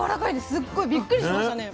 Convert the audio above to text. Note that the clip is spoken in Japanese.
すっごいびっくりしましたね。